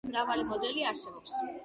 პრინტერის მრავალი მოდელი არსებობს.